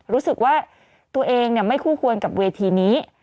รู้สึกว่าตัวเองไม่คู่ควรกับเวทีนี้